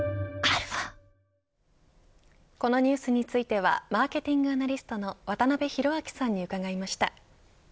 このニュースについてはマーケティングアナリストの渡辺広明さんに伺いました。